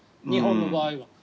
日本の場合は。